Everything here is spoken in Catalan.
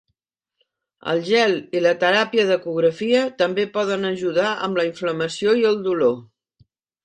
El gel i la teràpia d'ecografia també poden ajudar amb la inflamació i el dolor.